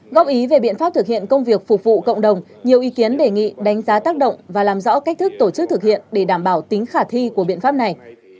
góp ý về biện pháp thực hiện công việc phục vụ cộng đồng nhiều ý kiến đề nghị đánh giá tác động và làm rõ cách thức tổ chức thực hiện để đảm bảo tính khả thi của biện pháp này